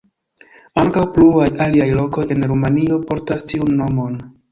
Ankaŭ pluaj aliaj lokoj en Rumanio portas tiun nomon.